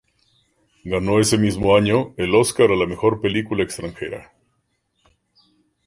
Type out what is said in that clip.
Ganó ese mismo año el Óscar a la Mejor Película Extranjera.